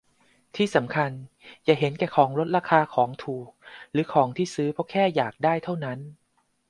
ที่สำคัญอย่าเห็นแก่ของลดราคา ของถูก หรือของที่ซื้อเพราะแค่อยากได้เท่านั้น